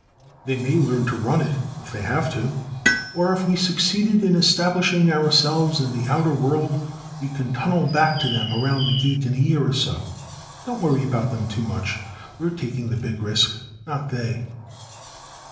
"They may learn to run it, if they have to. Or if we succeed in establishing ourselves in the outer world we can tunnel back to them around the Gate in a year or so. Don't worry about them too much. We're taking the big risk, not they."